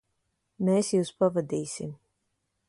Mēs jūs pavadīsim.